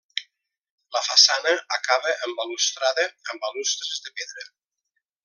La façana acaba en balustrada, amb balustres de pedra.